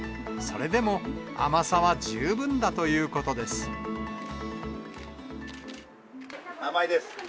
それでも、甘さは十分だというこ甘いです。